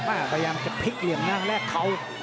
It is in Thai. พยายามจะพลิกเหลี่ยมนะแลกเขา